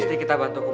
pasti kita bantu bu